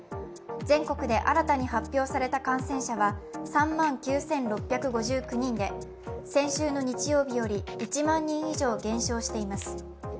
全国で新たに発表された感染者は３万９６５９人で先週の日曜日より１万人以上減少しています。